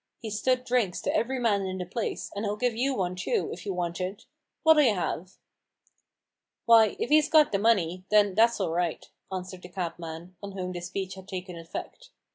He's stood drinks to every man in the place, and he'll give you one, too, if you want it* What'll ye have ?"" Why, if 'e's got the money, then that's all right," answered the cabman, on whom this speech had taken effect.